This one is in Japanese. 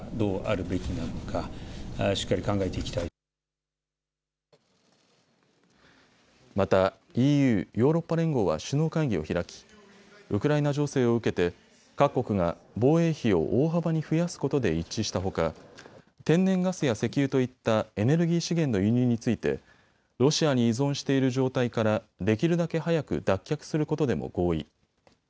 ロシアに対する追加の制裁措置について岸田総理大臣は。また、ＥＵ・ヨーロッパ連合は首脳会議を開き、ウクライナ情勢を受けて各国が防衛費を大幅に増やすことで一致したほか天然ガスや石油といったエネルギー資源の輸入についてロシアに依存している状態からできるだけ早く脱却することでも合意。